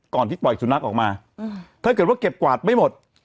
ที่ปล่อยสุนัขออกมาถ้าเกิดว่าเก็บกวาดไม่หมด